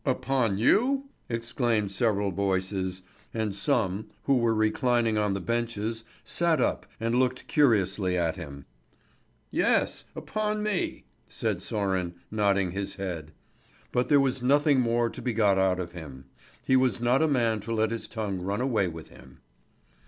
"Upon you?" exclaimed several voices; and some, who were reclining on the benches, sat up and looked curiously at him. "Yes, upon me," said Sören, nodding his head. But there was nothing more to be got out of him; he was not a man to let his tongue run away with him.